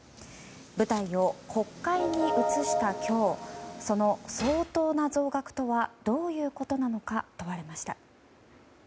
舞台を国会に移した今日その相当な増額とはどういうことなのか問われました。